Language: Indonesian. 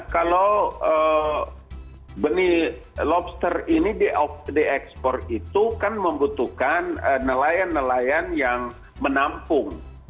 kalau benih lobster ini di ekspor itu kan membutuhkan nelayan nelayan yang menampung